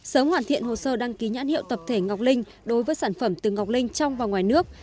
sớm hoàn thiện hồ sơ đăng ký nhãn hiệu tập thể ngọc linh đối với sản phẩm từ ngọc linh trong và ngoài nước